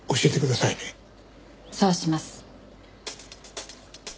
そうします。